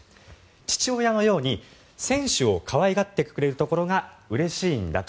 父親のように選手を可愛がってくれるところがうれしいんだと。